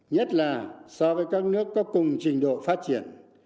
nhất là so với các nước có cùng trình độ phát triển